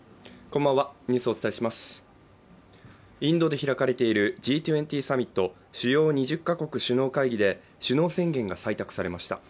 インドで開かれているＧ２０＝主要２０か国首脳会議で首脳宣言が採択されました。